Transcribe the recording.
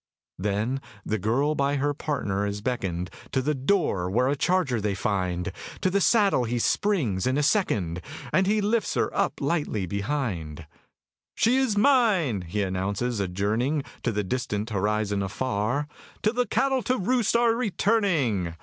Then the girl by her partner is beckoned To the door, where a charger they find; To the saddle he springs in a second, And he lifts her up lightly behind; "She is mine!" he announces, adjourning To the distant horizon afar, "Till the cattle to roost are returning!"